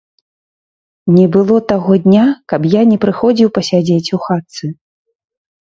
Не было таго дня, каб я не прыходзіў пасядзець у хатцы.